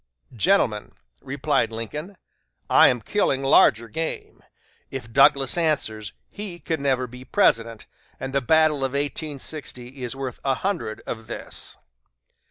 "Gentlemen," replied Lincoln, "I am killing larger game; if Douglas answers, he can never be President, and the battle of 1860 is worth a hundred of this."